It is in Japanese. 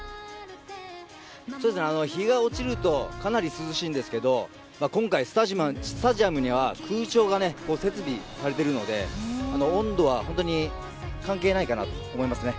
日が落ちるとかなり涼しいんですけど今回スタジアムには空調が設備されているので温度は本当に関係ないかなと思います。